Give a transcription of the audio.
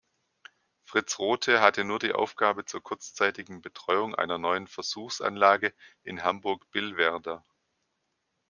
Fritz Rothe hatte nur die Aufgabe zur kurzzeitigen Betreuung einer neuen Versuchsanlage in Hamburg-Billwerder.